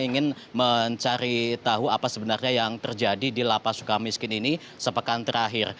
ingin mencari tahu apa sebenarnya yang terjadi di lapas suka miskin ini sepekan terakhir